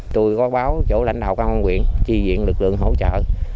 tôi có báo chỗ lãnh đạo công an quyền tri diện lực lượng hỗ trợ